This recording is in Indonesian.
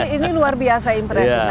ini luar biasa impresif